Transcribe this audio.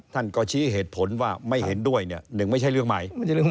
ท่านก็ชี้เหตุผลว่าไม่เห็นด้วยเนี่ยหนึ่งไม่ใช่เรื่องใหม่